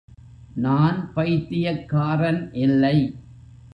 நான் பைத்தியக்காரன் இல்லை.